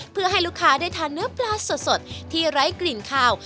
เพื่อให้ลูกค้าได้ทานเนื้อปลาสดที่ไร้กลิ่นขาว